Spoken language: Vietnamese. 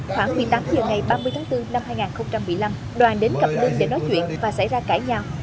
khoảng một mươi tám h ngày ba mươi tháng bốn năm hai nghìn một mươi năm đoàn đến gặp linh để nói chuyện và xảy ra cãi nhau